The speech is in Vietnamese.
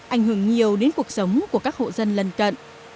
ảnh hưởng nhiều đến cuộc sống của các hộ dân lân cận